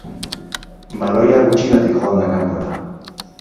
Baloia gutxigatik joan da kanpora.